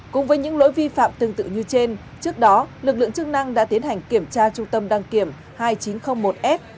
cùng với những lỗi vi phạm tương tự như trên trước đó lực lượng chức năng đã tiến hành kiểm tra trung tâm đăng kiểm hai nghìn chín trăm linh một s